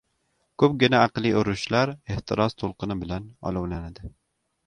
• Ko‘pgina aqliy urushlar ehtiros to‘lqini bilan olovlanadi.